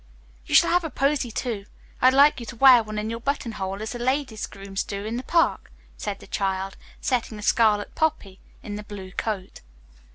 "You shall have a posy, too; I like you to wear one in your buttonhole as the ladies' grooms do in the Park," said the child, settling a scarlet poppy in the blue coat.